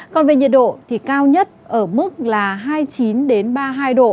còn về nhiệt độ thì cao nhất ở mức là hai mươi chín ba mươi hai độ